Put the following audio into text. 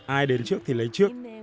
ai đến trước thì lấy trước